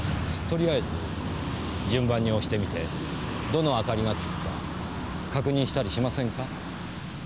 とりあえず順番に押してみてどの明かりがつくか確認したりしませんか？